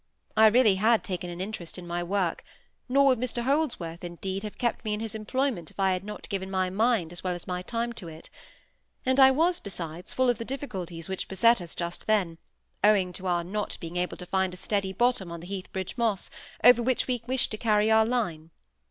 I really had taken an interest in my work; nor would Mr Holdsworth, indeed, have kept me in his employment if I had not given my mind as well as my time to it; and I was, besides, full of the difficulties which beset us just then, owing to our not being able to find a steady bottom on the Heathbridge moss, over which we wished to carry our line.